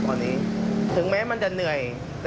ตอนนี้ถึงแม้มันจะเหนื่อย